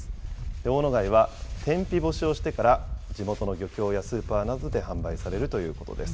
オオノガイは、天日干しをしてから、地元の漁協やスーパーなどで販売されるということです。